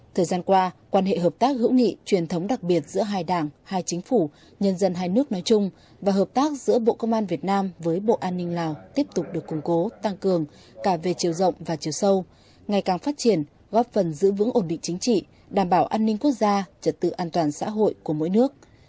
thời gian qua quan hệ hợp tác hữu nghị truyền thống đặc biệt giữa hai đảng hai chính phủ nhân dân hai nước nói chung và hợp tác giữa bộ công an việt nam với bộ an ninh lào tiếp tục được củng cố tăng cường cả về chiều rộng và chiều sâu ngày càng phát triển góp phần giữ vững ổn định chính trị đảm bảo an ninh quốc gia trật tự an toàn xã hội của mỗi nước